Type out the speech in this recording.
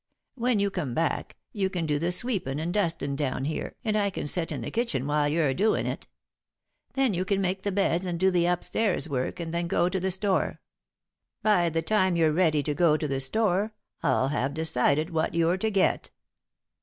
When you come back, you can do the sweepin' and dustin' down here and I can set in the kitchen while you're doin' it. Then you can make the beds and do the up stairs work and then go to the store. By the time you're ready to go to the store, I'll have decided what you're to get."